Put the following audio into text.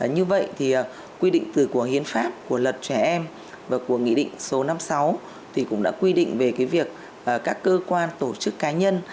như vậy thì quy định của hiến pháp của luật trẻ em và của nghị định số năm mươi sáu thì cũng đã quy định về việc các cơ quan tổ chức cá nhân